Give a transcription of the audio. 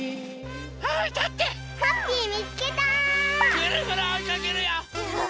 ぐるぐるおいかけるよ！